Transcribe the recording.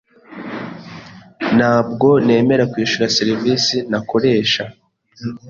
Ntabwo nemera kwishyura serivisi ntakoresha.